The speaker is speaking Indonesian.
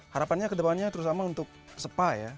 harapannya kedepannya terus sama untuk spa ya